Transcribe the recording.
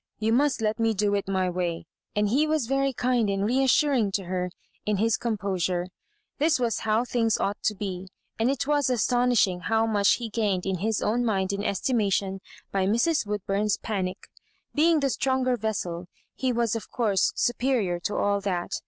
" Tou must let me do it my way ;'* and he was very kind and reassuring to her in his com posure. This was how things ought to be ; and it was astonishing how much he gained in his own mind and estimation by Mrs. Woodburn's panic. Being the stronger vessel, he was of course superior to all that.